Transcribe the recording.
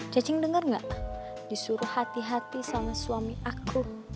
cacing denger gak disuruh hati dua sama suami aku